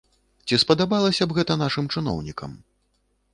Ці спадабалася б гэта нашым чыноўнікам?